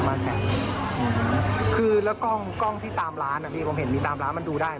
ประมาณแสนคือแล้วกล้องกล้องที่ตามร้านอ่ะพี่ผมเห็นมีตามร้านมันดูได้ไหม